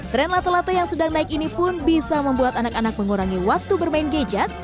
tren lato lato yang sedang naik ini pun bisa membuat anak anak mengurangi waktu bermain gadget